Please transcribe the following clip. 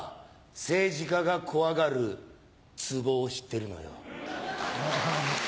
政治家が怖がるツボを知ってるのよ。